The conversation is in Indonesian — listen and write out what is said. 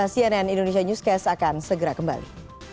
cnn indonesia newscast akan segera kembali